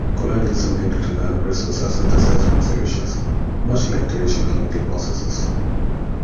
Colloidal semiconductor nanocrystals are synthesized from solutions, much like traditional chemical processes.